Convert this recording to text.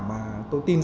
mà tôi tin rằng